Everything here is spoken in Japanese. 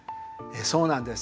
そうなんです。